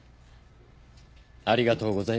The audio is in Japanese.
ありがとうございます。